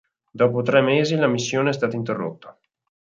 Dopo tre mesi la missione è stata interrotta.